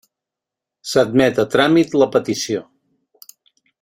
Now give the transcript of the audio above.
S'admet a tràmit la petició.